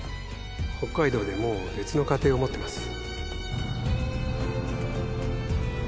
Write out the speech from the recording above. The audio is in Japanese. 北海道でもう別の家庭を持ってます